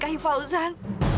lepas ini kamu menksen hidup kamu